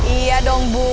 iya dong bu